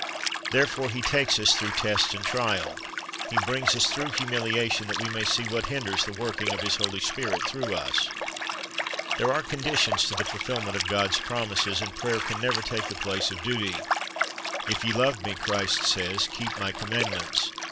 Therefore He takes us through test and trial, He brings us through humiliation, that we may see what hinders the working of His Holy Spirit through us. There are conditions to the fulfilment of God's promises, and prayer can never take the place of duty. "If ye love Me," Christ says, "keep My commandments."